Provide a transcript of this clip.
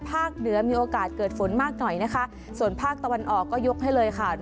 เหนือมีโอกาสเกิดฝนมากหน่อยนะคะส่วนภาคตะวันออกก็ยกให้เลยค่ะ